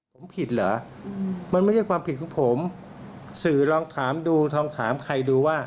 ผมผิดเหรอมันไม่ใช่ความผิดของผมสื่อลองถามดูลองถามใครดูว่า